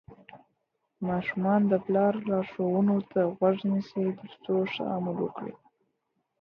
ماشومان د پلار لارښوونو ته غوږ نیسي ترڅو ښه عمل وکړي.